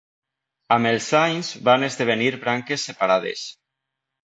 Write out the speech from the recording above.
Amb els anys van esdevenir branques separades.